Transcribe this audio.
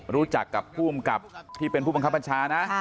รู้จักกับผู้บังฆานะ